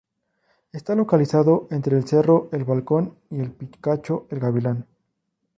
Está localizado entre el cerro El Balcón y el picacho El Gavilán.